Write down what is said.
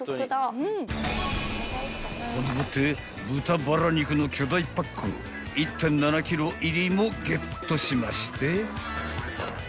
［ほんでもって豚バラ肉の巨大パック１．７ｋｇ入りもゲットしまして］